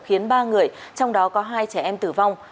khiến ba người trong đó có hai trẻ em tử vong